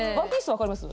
分かります？